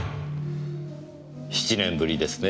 ７年ぶりですね。